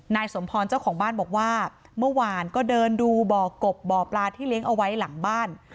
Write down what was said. สมพรเจ้าของบ้านบอกว่าเมื่อวานก็เดินดูบ่อกบบ่อปลาที่เลี้ยงเอาไว้หลังบ้าน